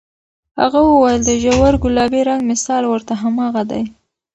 هغه وویل، د ژور ګلابي رنګ مثال ورته هماغه دی.